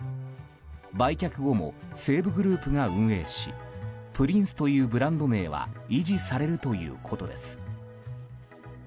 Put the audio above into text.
売却後も西武グループが運営しプリンスというブランド名は維持されるということです。